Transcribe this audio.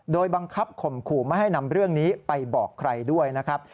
โดยบังคับข่มขู่ไม่ให้นำเรื่องนี้ไปบอกใครด้วยนะครับ